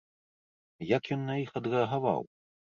Як ён на іх адрэагаваў?